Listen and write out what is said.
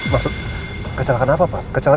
maksud kecelakaan apa pak